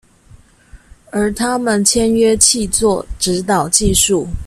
而他們簽約契作，指導技術